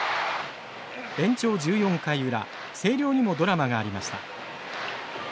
延長１４回裏星稜にもドラマがありました。